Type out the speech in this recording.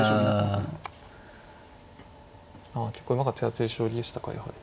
結構馬が手厚い将棋でしたかやはり。